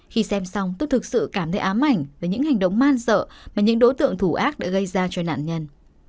khi xem xong tôi thực sự cảm thấy ám ảnh về những hành động man sợ mà những đối tượng thủ ác đã gây ra cho nạn nhân